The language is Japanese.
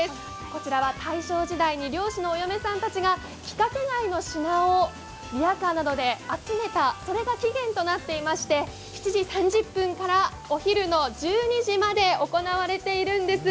こちらは大正時代に漁師のお嫁さんたちが規格外の品をリアカーなどで集めたことが起源となってまして７時３０分からお昼の１２時まで行われているんです。